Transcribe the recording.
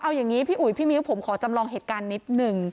เอาอย่างนี้พี่อุ๋ยพี่มิ้วผมขอจำลองเหตุการณ์นิดนึง